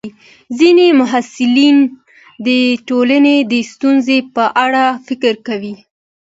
ځینې محصلین د ټولنې د ستونزو په اړه فکر کوي.